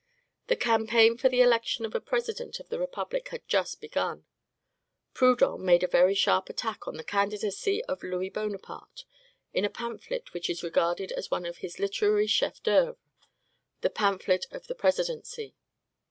The campaign for the election of a President of the Republic had just begun. Proudhon made a very sharp attack on the candidacy of Louis Bonaparte in a pamphlet which is regarded as one of his literary chefs d'oeuvre: the "Pamphlet on the Presidency."